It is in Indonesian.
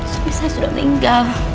suami saya sudah meninggal